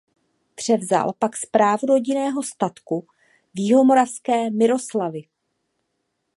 Převzal pak správu rodinného statku v jihomoravské Miroslavi.